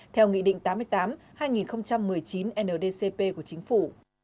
theo nghị định tám mươi tám hai nghìn một mươi chín ndcp của chính phủ